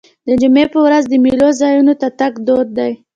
د جمعې په ورځ د میلو ځایونو ته تګ دود دی.